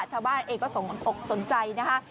ชาวบ้านเองก็สนอกสนใจนะคะ